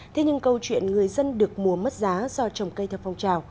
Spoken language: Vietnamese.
thế nhưng câu chuyện người dân được mua mất giá do trồng cây theo phong trào